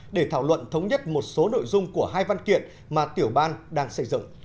để thảo luận thống nhất một số nội dung của hai văn kiện mà tiểu ban đang xây dựng